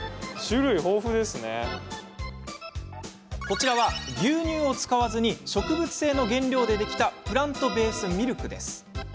こちらは、牛乳を使わずに植物性の原料でできたプラントベースミルク。